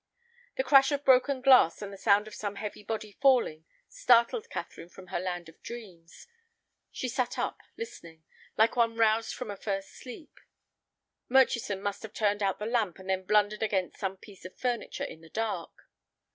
The crash of broken glass and the sound of some heavy body falling startled Catherine from her land of dreams. She sat up, listening, like one roused from a first sleep. Murchison must have turned out the lamp and then blundered against some piece of furniture in the dark.